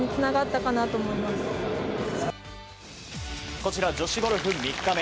こちら女子ゴルフ３日目。